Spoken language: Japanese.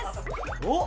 おっ！